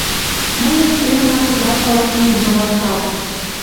Мыйын семынак тудат палаш лийдымын вашталтын.